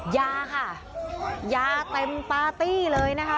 ยาค่ะยาเต็มปาร์ตี้เลยนะคะ